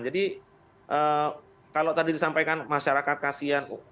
jadi kalau tadi disampaikan masyarakat kasian